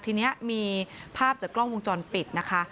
ทีนี้มีภาพจากกล้องวงจรปิดนะคะ